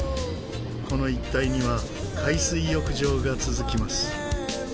この一帯には海水浴場が続きます。